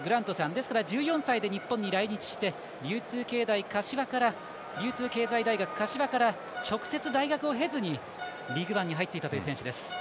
ですから１４歳で日本に来日して流通経済大学柏から直接、大学を経ずにリーグワンに入っていったという選手です。